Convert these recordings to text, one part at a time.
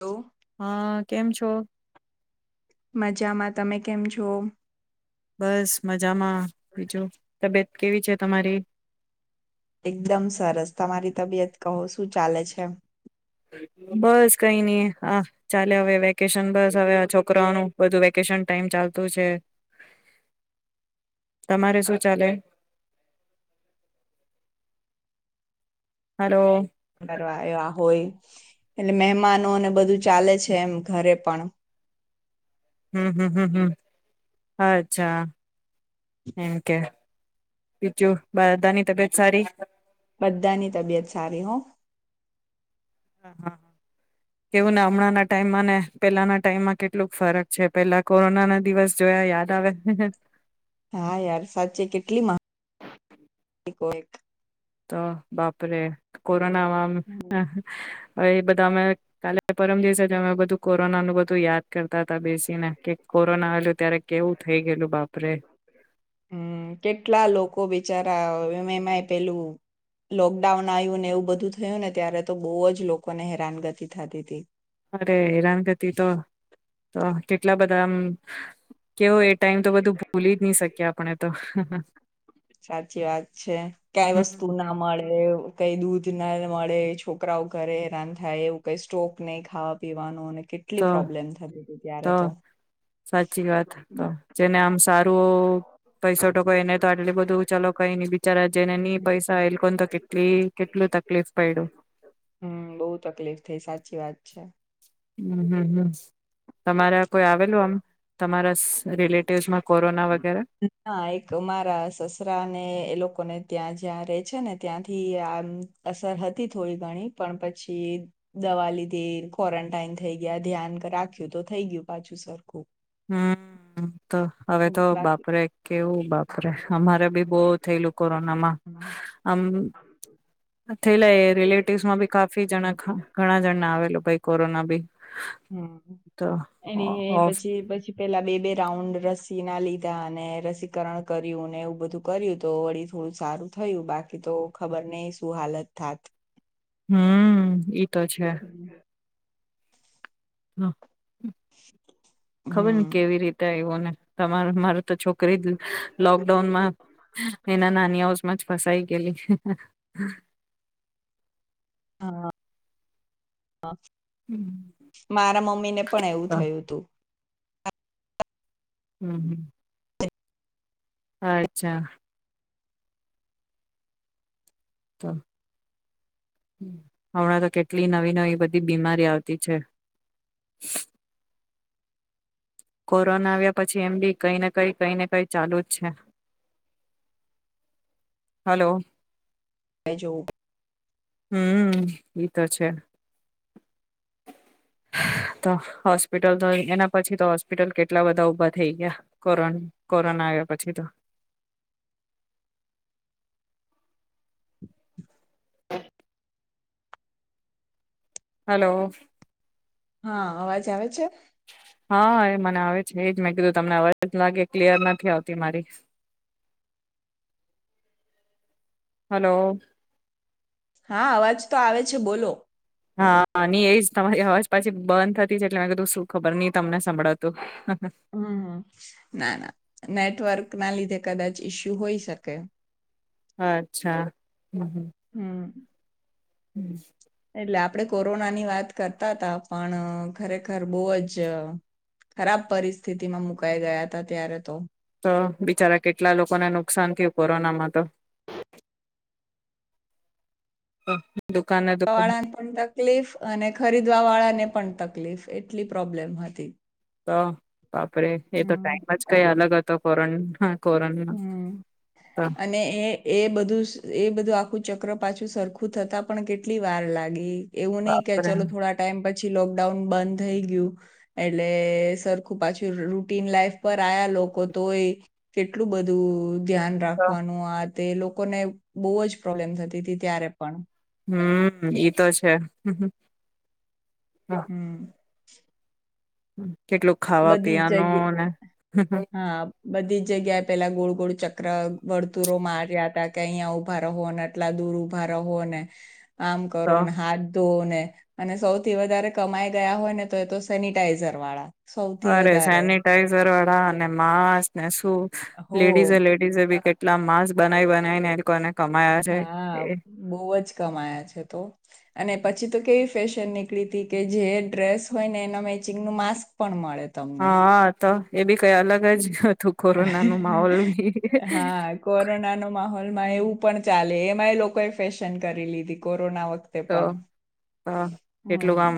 Hello. હા કેમ છો? મજામાં તમે કેમ છો? બસ મજામાં બીજું તબિયત કેવી છે તમારી. એકદમ સરસ તમારી તબિયત કહો શું ચાલે છે. બસ કઈ નઈ આ ચાલે હવે વેકેશન બસ હવે આ છોકરાઓનું બધું વેકેશન ટાઈમ ચાલતું છે. તમારે શું ચાલે. હાલો. કરવા આયવા હોય એટલે મહેમાનોને બધું ચાલે છે એમ ઘરે પણ. હમ્મ હમ્મ હમ્મ હમ્મ, અચ્છા. એમ કે. બીજું બધાની તબિયત સારી? બધાની તબિયત સારી હો. હ હા કેવું ને હમણાં ના ટાઈમમાં ને પેલાના ટાઈમમાં કેટલુંક ફરક છે પેલા કોરોના ના દિવસ જોયા યાદ આવે. હા યાર સાચે કેટલી [unintelligible] તો બાપરે, કો પ્રણામ. હવે એ બધા અમે કાલે પરમ દિવસે અમે બધું કોરોનાનું બધું યાદ કરતા તા બેસીને કે કોરોના આવેલુ ત્યારે કેવું થઈ ગયેલું બાપરે. હમ ને પેલું લોકડાઉન આયવુ ને એવું બધું થયું ને ત્યારે તો બહુ જ લોકોને હેરાનગતિ થતી હતી. અરે હેરાનગતિ તો તો કેટલા બધામ કેવ એ ટાઈમ તો બધું ભૂલી જ નહી શકીએ આપણે. તો. સાચી વાત છે, ક્યાંય વસ્તુ હમ ના મળે. કઈ દૂધ ના મળે, છોકરાઓ ઘરે હેરાન થાય, એવું કઈ સ્ટોક નહી ખાવા પીવાનો ને તો, તો, સાચી વાત તો જેમને આમ સા તો પૈસા ટકા એને તો આટલુ બધું ચાલો કઈ ની બિચારા જેને ની પૈસા એ લોકોને તો કેટલી કેટલું તકલીફ પયડુ. હમ બહુ તકલીફ થઈ સાચી વાત છે હમ્મ, હમ્મ, હમ્મ, તમારા કોઈ આવેલું આમ તમારા સ રિલેટિવમાં ના એક મારા સસરા ને એ લોકોને ત્યાં જ્યાં રે છે ને ત્યાંથી આમ અસર હતી થોડી ઘણી, પણ પછી દવા લીધી, ક્વોરન્ટાઈન થઈ ગયા, ધ્યાન રાખ્યું તો થઈ ગયું પાછું સરખું. હમ્મ. તો હવે તો બાકી બાપરે કેવું બાપરે અમારે બી બો થયેલું કોરોનામાં. આમ થયલા રિલેટિવસ માં બી કાફી જણા ઘણા જણ આવેલું ભાઈ. કોરોના બી હમ્મ, તો એની એ ઓફ પછી પછી પેલા બે બે રાઉન્ડ રસી ના લીધા અને રસીકરણ કર્યુંને એવું બધું કર્યું તો વળી થોડું સારું થયું, બાકી તો ખબર નહિ શું હાલત થાત. હમ્મ, ઈ તો છે. [unintelligible] ખબર ની હમ કેવી રીતે આઇવુ. કોને તમારું, મારુ તો છોકરી લોકડાઉનમાં એના નાની હાઉસમાં જ ફસાઈ ગયેલી. હા હા, મારા મમ્મી ને પણ એવું થયું હતું. હમ્મ, હમ્મ. અચ્છા. તો, હમણાં તો કેટલી નવી નવી બધી બીમારી આવતી છે. કોરોના આવ્યા પછી એમ બી કઈને કઈ કઈ ને કઈ ચાલુજ છે. હલો હ જો. હમ્મ, એ તો છે. તો હોસ્પિટલ તો એના પછી તો હોસ્પિટલ કેટલા બધા ઉભા થઈ ગ્યા, કોરો કોરોના આવ્યા પછી તો. હલો. હા અવાજ આવે છે? હા, એ મને આવે છે. એજ મેં કીધું તમને અવાજ લાગે ક્લિયર નથી આવતી મારી. હલો. હા અવાજ તો આવે છે બોલો. હા ની એજ તમારી અવાજ પાછી બંધ થતી છે એટલે મેં કીધું શું ખબર ની તમને સંભળાતું. હમ હમ ના ના નેટવર્કના લીધે કદાચ ઇસ્યુ હોઈ શકે. અચ્છા. હમ. હમ એટલે આપડે કોરોના ની વાત કરતા ત પણ ખરેખર બહુ જ ખરાબ પરિસ્થિતિમાં મુકાઈ ગયા ત ત્યારે તો. તો બિચારા કેટલા લોકોને નુકસાન થયું કોરોનામાં તો. દુકાને દુકાન વાળાને પણ તકલીફ અને ખરીદવા વાળા ને પણ તકલીફ એટલી પ્રોબ્લેમ હતી. તો બાપરેે એ તો હમ ટાઈમ અજ કઈ અલગ. તો કરણ કોરોના હમ અને એ એ બધું એ બધું આખું. ચક્ર પાછું સરખું થતા પણ કેટલી વાર લાગી. એવું નહિ કે બાપરે ચાલો થોડા ટાઈમ પછી. પછી લોકડાઉન બંધ થઈ ગયું એટલે સરખું પાછું રૂટીન લાઈફ પર આયા લોકો તોય. કેટલું બધું. ધ્યાન તો રાખવાનું આ. તે લોકોને બહુ જ પ્રોબ્લેમ થતી હતી ત્યારે પણ. હમ ઈ તો છે. હમ. [inaudible] હમ. કેટલું ખાવા બધી જ જગ્યા પીવાનું ને. હા બધી જ જગ્યાએ પેલા ગોળ ગોળ ચક્ર વર્તુરો માર્યા હતા કે અહીંયા ઉઊભા રહો ને આટલા દૂર ઉભા રહો ને. કામ તો કરો ને હાથ ધોઓ ને. અને સૌથી વધારે કમાઈ ગયા હોય ને તો એ તો સેનિટાઈઝર વાળા. સૌથી અરે વધારે સેનિટાઈઝર. અનેને માસ. ના શું હો લેડીઝ લેડીઝ બી. એટલા માંસ બનાવી બનાય ને એ કોને. હા બહ જ કમાયા છે તો. અને પછી તો કેવી ફેશન નીકળી હતી કે જે ડ્રેસ હોય ને એના મેચિંગનુંું માસ્ક પણ મળે. તમને હા તો. એવી. કઈ અલગ જ હતું કોરોના નું માહોલ બી. હા કોરોનાનો એવું પણ ચાલે એમાં એ લોકોએ ફેશન કરી લીધી કો તો હ એટલું હમ કામ.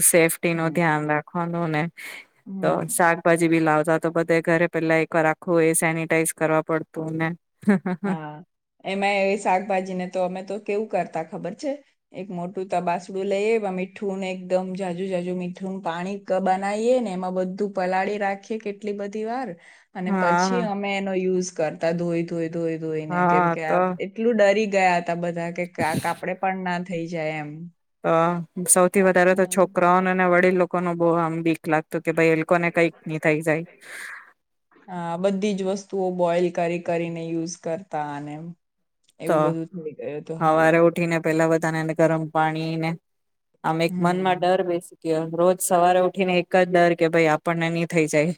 સેફ્ટી નું હમ ધ્યાન રાખવાનું નુ ને તો હમ શાકભાજી બી લાવતા. તો બધે ઘરે પેલા એકર આખવું એ સેનિટાઈઝ કરવા પડતું ને. હા એમાં એ શાકભાજી ને તો અમે તો કેવું કરતા ખબર. એક મોટું તબાસડું લઈએ મીઠુંને એકદમ જાજુ જાજુ મીઠું પાણી બનાવીએ ને એમાં બધું પલાળી રાખીએ કેટલી બધી વાર. અને હા પછી અમે એનો યુઝ. કરતા ધોઈ ધોઈ. ધોઈ ધોઈને કેમ હા કે તો આપ એટલું ડરી ગયા તા બધા કે કા ક આપડે પણ ના થઈ જાય એમ હ સૌથી વધારે તો હમ છોકરાઓ અને વડીલો કોનો બો આમ બીક લાગતી તો કે ભાઈ એ લોકોને કઈક નહી થઇ જાય. તઓ બોઈલ કરી કરીને યુઝ કરતા અને ત એવું બધું થઈ ગયું હતું હવારે હાલત. ઉઠીને પેલા બધા બધાને ગરમ પાણી ને આમ એક મન માં હમ્મ. ડર બેસી ગયો ગયો કે રોજ સવારે ઉઠીને એક જ ડર કે ભાઈ આપણને ની થઇ જાય.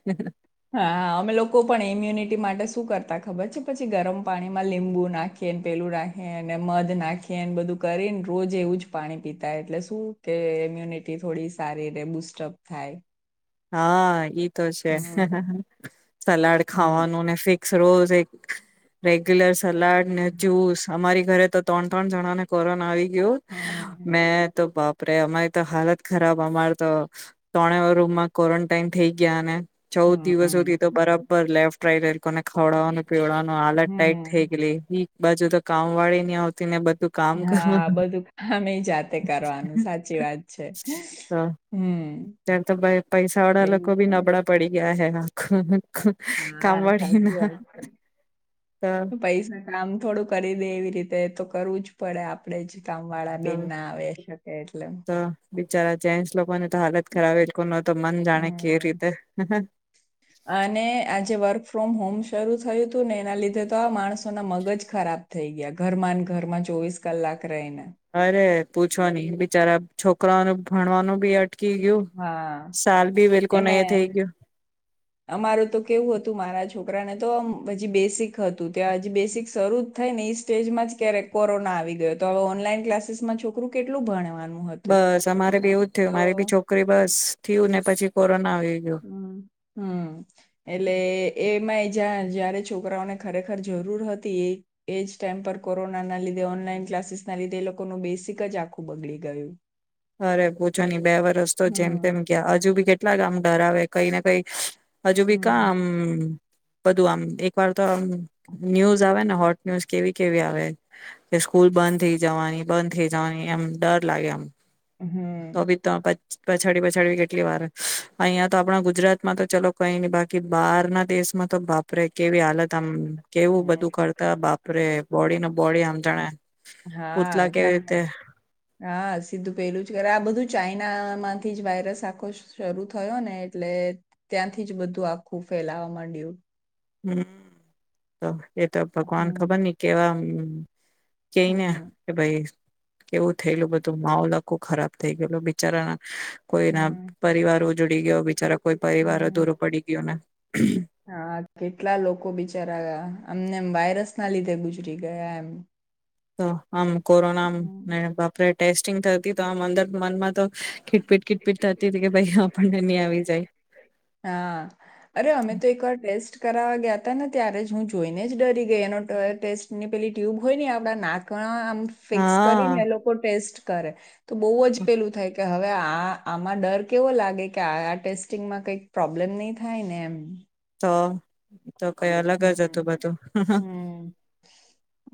હા અમે લોકો પણ ઈમ્યુનિટી માટે શું કરતા ખબર છે પછી ગરમ પાણીમાં લીંબુ નાખે ને, પેલું નાખીએ ને, મધ નાખીએને બધું કરીને રોજ એવું જ પાણી પીતા એટલે શું કે ઈમ્યુનિટી થોડી સારી રે બુસ્ટઅપ થાય. હા એ જ ને તો છે હમ્મ સલાડ હમ્મ ખાવાનું ને ફ રોજ એક રેગ્યુલર સલાડ ને જૂસ અમારી ઘરે તો ત્રણ ત્રણ જણા ને કોરોના આવી હમ્મ [unintelligible] મેં તો બાપ પ્રે અમારી તો હાલત ખરાબ અમાર તો ત્રણેઓ રૂમમાં ક્વોરન્ટાઈઇન થઈ ગયા ને ચૌદ હમ્મ દિવસોથી તો બરા બર લેફ્ટ રાઈટ લોકોને ખવડાવાનુ પીવડાવાનું હાલત ટાઈટ થેય હમ્મ ગેલી. બાજુ તો કામવાળી ની આવતી ને બ હા બધું કામેય જાતે કરવાનું, સાચી વાત છે. તો હમ્મ. ત્યારે તો [unintelligible] એવું લોકો બી છે. નબળા પડી ગ્યા છે હં. હા, સાચી વાત છે. પૈસા કામ થોડું કરી દે એવી રીતે. એ તો કરવું જ પડે આપડે જ. કામવાળા બેન તો ના આવે, એટલ ક એટલ જ્યારે જેન્સ લોકોને તો હાલત ખરાબ, એ લોકોન તો મન જાણે, કેવી હમ. રીતે અને આજે વર્ક ફ્રોમ હોમ શરૂ થયું તું ને, એના લીધે તો આ માણસોના મગજ ખરાબ થઈ ગ્યા, ઘરમાંન ઘરમાં ચોવીસ કલાક રહીને. અરે પૂછો નઈં, બિચારા છોકરાઓનું ભણવાનું બી અ અટકી ગ્યું, હા સાલ ભી અવે એ લોકોનું એમે એ થેઇ ગયું. અમારું તો કેવું હતું, મારા છોકરાને તો હજી બેસિક હતું, ત્યાં હજી બેસિક શરૂ જ થાયને એ જ સ્ટેજમાં જ ક્યારેક કોરોના આવી ગયો. તો હવે ઓનલાઈન ક્લાસીસમાં છોકરું કેટલું ભણવાનું? હતું બસ અમારે બી એવું જ થ્યું. મારી તો બી છોકરી બસ થયું ને પછી કો હમ્મ, હમ્મ, એટલે એમાં એ જા જયારે છોકરાઓને ખરેખર જરૂર હતી, એ એ જ ટાઈમ પર કોરોનાના લીધે, ઓનલાઈન ક્લાસીસના લીધે એ લોકોનું બેસિક જ આખું બગડી ગયું. અરે પૂછોની. બે વરસ તો જેમ તેમ હમ ગ્યા. અજુ બી કેટલા [unintelligible] ડરાવે કંઈ ને કંઈ હજુ બી કાં હમ આમ બધું આમ, એક વાર તો આમ ન્યૂઝ આવે ને હોટ ન્યૂઝ કેવી કેવી આવે. કે સ્કૂલ બંધ થેઇ જવાની, બંધ થેઇ જવાની, એમ ડર લાગે આમ. તો હમ્મ બી તો પછાડી પછાડી કેટલી વાર. અહિંયા તો આપણા ગુજરાતમાં તો ચલો કંઈ નહી. બાકી બહારના દેશમાં તો બા પરે આપે કેવી હાલત! આમ, કેવું બધું કરતા. બાપરે બોડીને બોડી આમ જાણે, હા પૂતલા કેવી જાણે. રીતે હા સીધું પેલું આ બધું ચાઈનામાંથી જ વાયરસ આખો શરૂ થયો ને એટલે ત્યાંથી જ બધું આખું ફેલાવા માંડ્યું. હમ્મ તો એ તો ભગવાન હમ ખબર ની કેવા હમ્મ. કેય ને, હમ કે ભાઈ કેવું થયેલું બધું, માહોલ આખું ખરાબ થઈ ગયેલું બિચારા ના. કોઈના હમ પરિવારો જુડી ગ્યા બીચારા. કોઈ પરિવારો હમ. દૂરો પડી ગયો ને હા, કેટલા લોકો બિચારા અમનેમ વાયરસ ના લીધે ગુજરી ગયા એમ. તો. આમ કોરોના આમ હમ. [unintelligible] ટેસ્ટિંગ થતી તો આમ અંદર મનમાં તો ખીટપીટ ખીટપીટ થતી હતી કે ભાઈ આપણને નહી આવી જાય. કરાવા ગ્યાતા ને ત્યારે જ હું જોઈને જ ડરી ગઈ. એનો ટેસ્ટની પેલી ટ્યુબ હોય આપણા નાકમા ફિક્સ કરી ને એ હા લોકો ટેસ્ટ કરે. તો બવ જ પેલું થાય. કે હવે આ આમાં ડર કેવો લાગે કે આ આ ટેસ્ટિંગમાં કંઈક પ્રોબ્લેમ નહી થાય ને એમ. તો. તો કંઈ અલગ જ હતું હમ બધું. હમ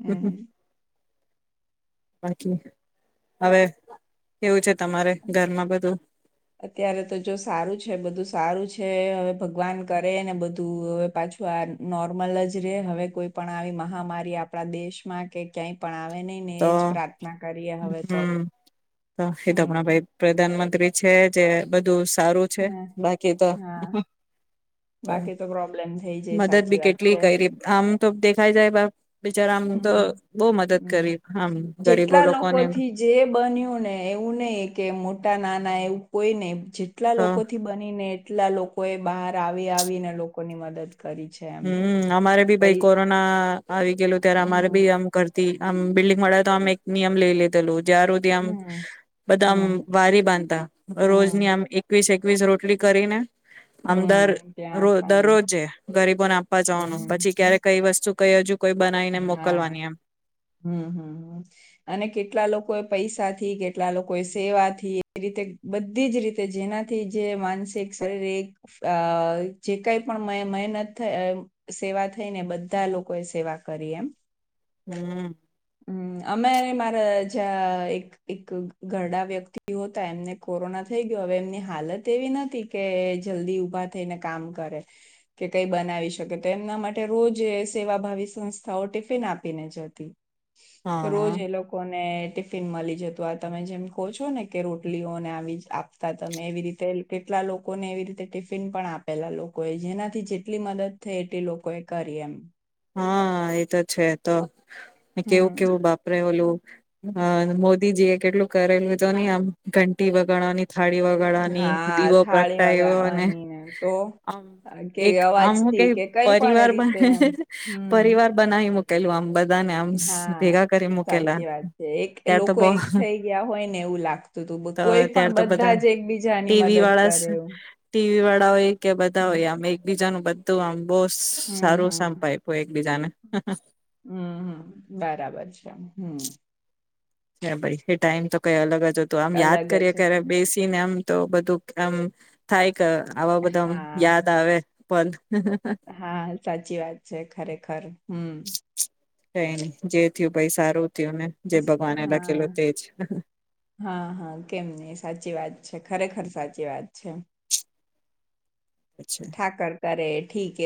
હમ બાકી, હવે કેવું છે તમારે ઘરમાં બધું? અત્યારે તો જો સારું છે, બધું સારું છે. હવે ભગવાન કરે ને બધું અવે પાછું આ નોર્મલ જ રે. હવે કોઈ પણ આવી મહામારી આપણા દેશમાં કે ક્યાંય પણ આવે નહી ને તો એજ પ્રાર્થના કરીએ હવે તો હં, તો એ તો આપણા હમ ભાઈ પ્રધાનમંત્રી છે જે બધું સારું છે. હા બાકી તો, હા તો બાકી પ્રોબ્લેમ થઈ જાય મદદ સાચી બી વાત કેટલી છે કયરી આમ તો દેખાય જાય બાપ બિચારા, આમ તો બઉ મદદ હં કરી આમ ગરીબો જેટલા લોકોને લોકોથી જે બન્યું ને, એવું નહિ કે મોટા નાના એવું કોઈને જેટલા તો લોકોથી બનીને એ કેટલા લોકો એ બહાર આવી-આવી ને લોકોની મદદ કરી છે એમ હમ, અમારે બી ભઈ પઈ કોરોના આવી ગેલું ત્યારે અમારે હમ બી આમ તે આમ, બિલ્ડિંગવાળા તો આમ, એક નિયમ લઈ લે. [unintelligible] જ્યાર હુધી આમ હમ, બધા આમ હમ, વારી બાંધતા રોજની હમ, આમ એકવીસ એ વીસ રોટલી કરી ને આમ દર હમ, ત્યાં રો આપવાની. દરરોજે. ગરીબો ને આપવા જવાનું હમ, પછી ક્યારેક કઈ વસ્તુ કઈ હજુ કોઈ બનાવીને હા મોકલવાની એમ હમ હમ અને કેટલા લોકો પૈસા થી કેટલા લોકો એ સેવા થી એ રીતે બધી જ રીતે જેનાથી જે માનસિક શારીરિક જે કઈ પણ મહેનત થ સેવા થઈ ને બધા લોકો એ સેવા.. કરી એમ હમ હમ અમે મારા જ્યાં એક એક ઘરડા વ્યક્તિ હોતા એમને કોરોના થઈ ગયો હવે એમની હાલત એવી નથી કે જલ્દી ઊભા થઈને કામ કરે કે કઈ બનાવી શકે તો એમના માટે રોજ સેવાભાવી સંસ્થાઓ ટિફિન આપીને જતી હા રોજ એ લોકોને.. ટિફિન મળી જતું આ તમે જેમ કહો છો ને કે રોટલીઓને આવી આપતા તમે એવી રીતે કેટલા લોકોને એવી રીતે ટિફિન પણ આપેલા લોકોએ જેનાથી જેટલી મદદ થઈ એટલી લોકો એ કરી એમ હા એતો છે તો કેવું હમ કેવું બાપરે ઓલું મોદીજી એ કેટલું કરેલું તો નહી આમ ઘંટી વગાણવાની.. ખાળી વગાડવાની હા દીવો થાળી પ્રગટાય્યો અને વગાડવાની ને તો આમ અ, કે એક આમું અવાજથી કઈ કે પણ રીતે એમ પરિવારમાંને હમ પરિવાર બનાવી મુકલું અબ હા સાચી વાત છે એક ત્યાર તો લોકો એક બહ થઈ ગયા હોય ને એવું લાગતું હતું તો કોઈ ત્યાર પણ તો બધા જ એકબીજાની મદદ કરેવું. એક કે બધા હોય અમે એકબીજા ન તો આમ બહુ હમ સારું હમ સાંપાઈ બીજા ને હમ હમ બરાબર છે હમ હ ભાઈ એ ટાઈમ તો કઈ અલગ જ તો આમ યાદ અલગ જ કરીએ બેસી ને આમ તો બધું એમ થાય આવા બધા હા યાદ આવે પણંધ હા સાચી વાત છે ખરેખર હમ કઈ નહી જે ભાઈ સારું થયું ને જે ભગવાને લખેલું હા તે જ હા હા કેમ નહી સાચી વાત ખરેખર સાચી વાત છે છે. ઠાકર કરે ઠીક એવું